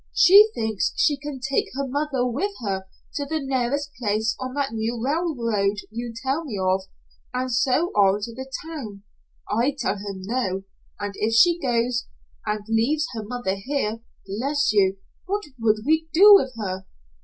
She thinks she can take her mother with her to the nearest place on that new railroad you tell me of, and so on to some town. I tell her, no. And if she goes, and leaves her mother here bless you what would we do with her?